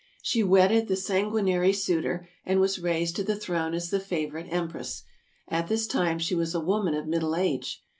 She wedded the sanguinary suitor, and was raised to the throne as the favorite Empress. At this time she was a woman of middle age.